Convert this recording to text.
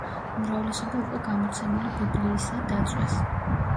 უმრავლესობა უკვე გამოცემული ბიბლიისა დაწვეს.